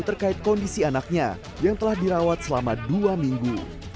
terkait kondisi anaknya yang telah dirawat selama dua minggu